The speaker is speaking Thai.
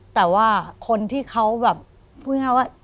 แต่ว่าคนที่เขาแบบพูดง่ายว่า